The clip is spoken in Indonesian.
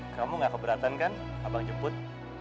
kamu gak keberatan kan abang jemput